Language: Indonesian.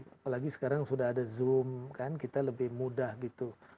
apalagi sekarang sudah ada zoom kan kita lebih mudah gitu